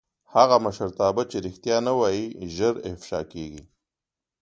هغه مشرتابه چې رښتیا نه وايي ژر افشا کېږي